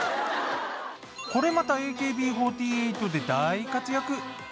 これまたＡＫＢ４８で大活躍。